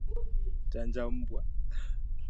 Chanja mbwa